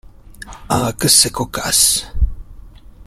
Ah ! que c’est cocasse !